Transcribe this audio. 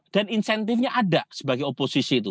dan insentifnya ada sebagai oposisi itu